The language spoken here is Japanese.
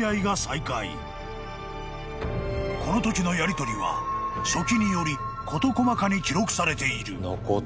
［このときのやりとりは書記により事細かに記録されている］